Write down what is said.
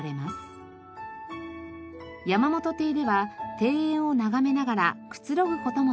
山本亭では庭園を眺めながらくつろぐ事もできます。